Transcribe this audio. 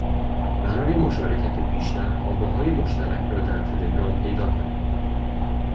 برای مشارکت بیشتر آواهای مشترک را در تلگرام پیدا کنید